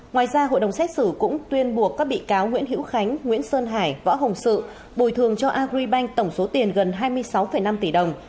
ngoài ra hội đồng xét xử cũng tuyên buộc các bị cáo nguyễn hữu khánh nguyễn sơn hải võ hồng sự bồi thường cho agribank tổng số tiền gần hai mươi sáu năm tỷ đồng